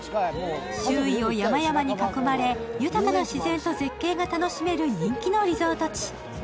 周囲を山々に囲まれ豊かな自然と絶景が楽しめる人気のリゾート地。